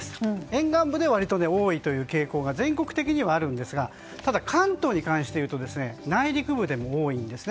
沿岸部のほうが多い傾向が全国的にはあるんですが関東に関していうと内陸部でも多いんです。